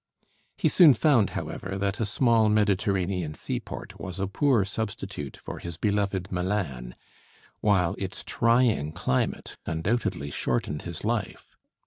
He soon found, however, that a small Mediterranean seaport was a poor substitute for his beloved Milan, while its trying climate undoubtedly shortened his life.